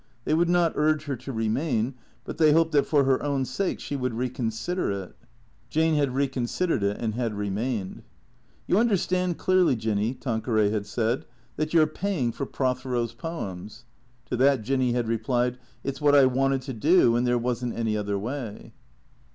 They would not urge her to remain, but they hoped that, for her own sake, she would re consider it. Jane had reconsidered it and had remained. " You understand clearly. Jinny," Tanqueray had said, " that you 're paying for Prothero's poems ?" To that Jinny had replied, "It's what I wanted to do, and there was n't any other way."